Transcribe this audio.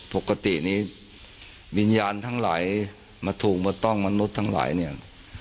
ปกตินี้วิญญาณทั้งหลายมาถูกมาต้องมนุษย์ทั้งหลายเนี่ย